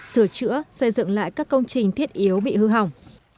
sửa chữa xây dựng lại các công trình thiết yếu bị hư hỏng